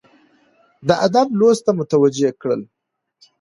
د ادب لوست ته متوجه کړل،